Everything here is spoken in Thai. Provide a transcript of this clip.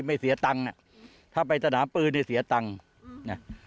ไม่เสียตังค์น่ะถ้าไปตระหนามปืนจะเสียตังค์น่ะ